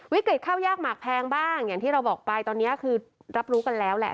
วิกฤตข้าวยากหมากแพงบ้างอย่างที่เราบอกไปตอนนี้คือรับรู้กันแล้วแหละ